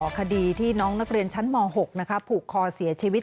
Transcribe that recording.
คดีที่น้องนักเรียนชั้นม๖ผูกคอเสียชีวิต